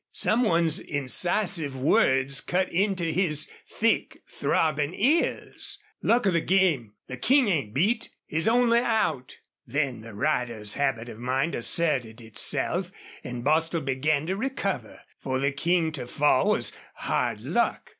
Some one's incisive words cut into his thick, throbbing ears: "Luck of the game! The King ain't beat! He's only out!" Then the rider's habit of mind asserted itself and Bostil began to recover. For the King to fall was hard luck.